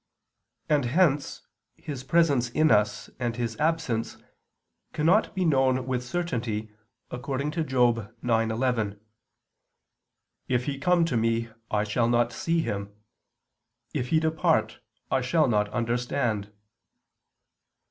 And hence His presence in us and His absence cannot be known with certainty, according to Job 9:11: "If He come to me, I shall not see Him; if He depart I shall not understand."